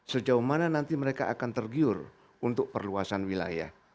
sejauh mana nanti mereka akan tergiur untuk perluasan wilayah